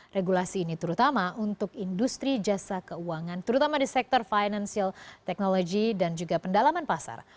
regulasi ini terutama untuk industri jasa keuangan terutama di sektor financial technology dan juga pendalaman pasar